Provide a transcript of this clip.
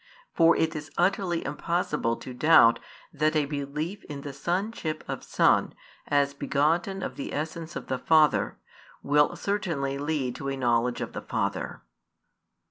For it is utterly impossible to doubt that a belief in the sonship of Son, as begotten of the essence of the Father, will certainly lead to a knowledge of the Father.